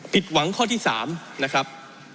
ผิดหวังข้อที่๓นะครับ